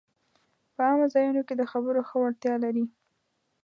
په عامه ځایونو کې د خبرو ښه وړتیا لري